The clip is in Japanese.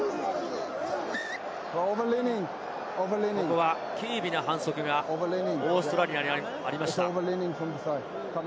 ここはケレビの反則がオーストラリアにありました。